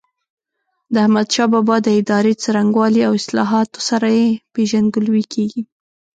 د احمدشاه بابا د ادارې څرنګوالي او اصلاحاتو سره یې پيژندګلوي کېږي.